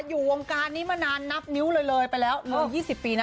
อยู่วงการนี้มานานนับนิ้วเลยเลยไปแล้วเลย๒๐ปีนะ